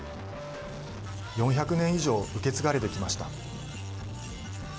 ４００年以上受け継がれてきました。